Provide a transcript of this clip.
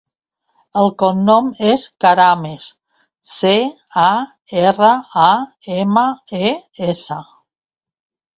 El cognom és Carames: ce, a, erra, a, ema, e, essa.